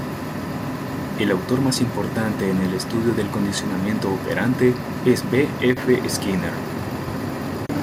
El autor más importante en el estudio del condicionamiento operante es B. F. Skinner.